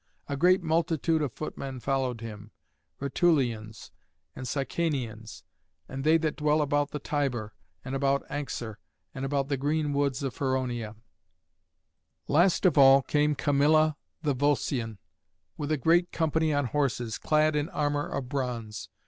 A great multitude of footmen followed him, Rutulians and Sicanians, and they that dwelt about the Tiber, and about Anxur, and about the green woods of Feronia. Last of all came Camilla the Volscian, with a great company on horses, clad in armour of bronze.